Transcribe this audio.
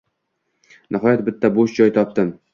Nihoyat bitta boʻsh joy topdim.